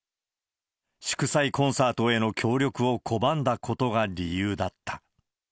祝祭コンサートへの協力を拒んだことが理由だった。